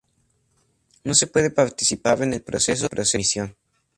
No se puede participar en el proceso de emisión.